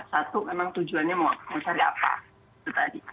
satu memang tujuannya menguasai apa